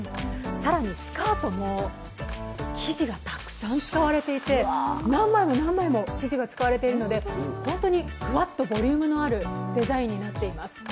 更にスカートも、生地がたくさん使われていて、何枚も何枚も生地が使われているので本当にふわっとボリュームのあるデザインになっています。